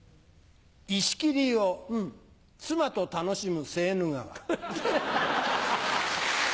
石切りを妻と楽しむセーヌ川。